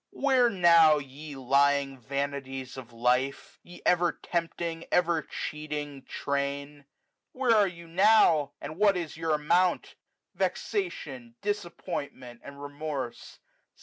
Where now, ye lying vanities of life! Ye ever tempting ever cheating train ! 2 to Where are you now ? and what is your amount ? Vexation, disappointment, and remorse.